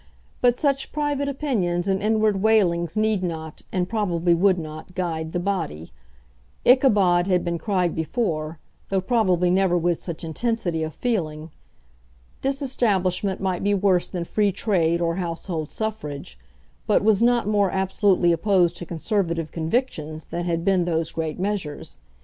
But such private opinions and inward wailings need not, and probably would not, guide the body. Ichabod had been cried before, though probably never with such intensity of feeling. Disestablishment might be worse than Free Trade or Household Suffrage, but was not more absolutely opposed to Conservative convictions than had been those great measures.